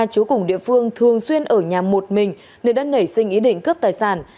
chú cùng địa phương thường xuyên ở nhà một mình nên đã nảy sinh ý định cướp tài sản